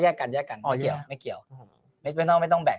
แยกกันแยกกันอ๋อไม่เกี่ยวไม่เกี่ยวไม่ต้องไม่ต้องแบ่ง